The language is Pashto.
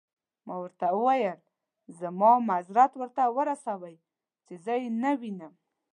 ما ورته وویل: زما معذرت ورته ورسوئ، چې زه يې نه وینم.